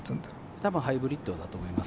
たぶんハイブリッドだと思います。